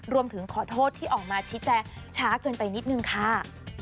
รวมถึงขอโทษที่ออกมาชี้แจงช้าเกินไปนิดนึงค่ะ